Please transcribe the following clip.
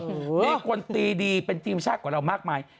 มีคนตีดีเป็นทีมชาติกว่าเรามากมาย